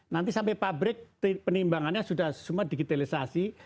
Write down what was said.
nanti sampai pabrik penimbangannya sudah semua digitalisasi